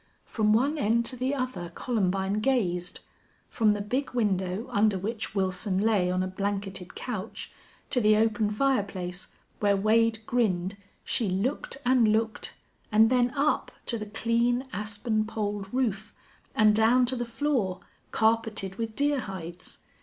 From one end to the other Columbine gazed; from the big window under which Wilson lay on a blanketed couch to the open fireplace where Wade grinned she looked and looked, and then up to the clean, aspen poled roof and down to the floor, carpeted with deer hides.